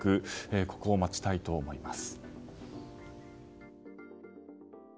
ここを待ちたいと思います。